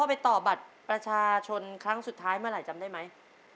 ไปต่อบัตรประชาชนครั้งสุดท้ายเมื่อไหร่จำได้ไหม